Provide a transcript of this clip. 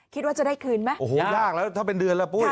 คิดว่าจะได้คืนไหมโอ้โหยากแล้วถ้าเป็นเดือนแล้วปุ้ย